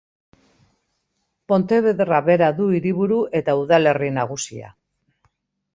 Pontevedra bera du hiriburu eta udalerri nagusia.